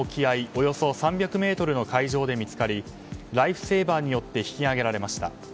およそ３００ｍの海上で見つかりライフセーバーによって引き上げられました。